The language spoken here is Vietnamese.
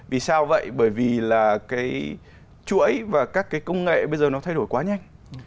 vì sao vậy bởi vì là cái chuỗi và các cái công nghệ bây giờ nó thay đổi quá nhanh